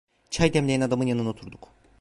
Çay demleyen adamın yanına oturduk.